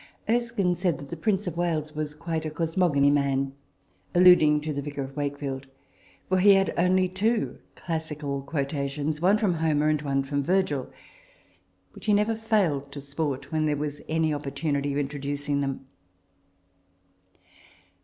Erskine said that the Prince of Wales was quite " a cosmogony man " (alluding to " The Vicar of Wakefield "), for he had only two classical quota tions one from Homer and one from Virgil which he never failed to sport when there was any oppor tunity of introducing them.